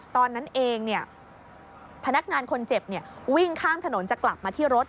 ตอนนั้นเองพนักงานคนเจ็บวิ่งข้ามถนนจะกลับมาที่รถ